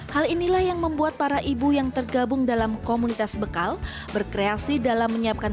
hal inilah yang membuat para ibu yang tergabung dalam komunitas bekal berkreasi dalam menyiapkan